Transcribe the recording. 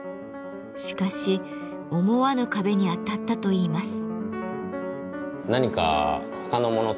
しかし思わぬ壁に当たったといいます。